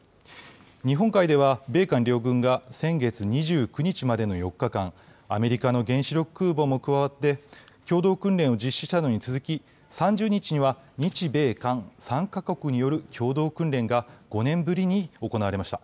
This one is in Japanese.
日本海では米韓両軍が先月２９日までの４日間、アメリカの原子力空母も加わって、共同訓練を実施したのに続き、３０日には日米韓３か国による共同訓練が、５年ぶりに行われました。